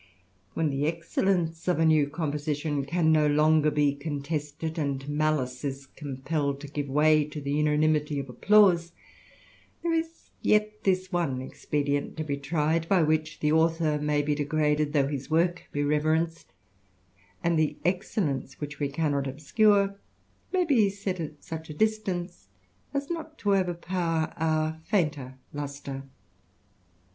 When the excellence of a new composition can no longer be contested, ancJ malice is compelled to give way to the unanimity o^ applause, there is yet this one expedient to be tried, b^ which the author may be degraded, though his work b^ reverenced ; and the excellence which we cannot obscur^^ may be set at such a distance as not to overpower 011^ fainter lustre.